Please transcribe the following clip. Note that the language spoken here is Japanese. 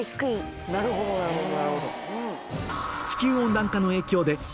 なるほどなるほど。